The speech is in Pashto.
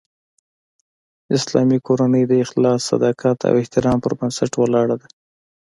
اسلامي کورنۍ د اخلاص، صداقت او احترام پر بنسټ ولاړه ده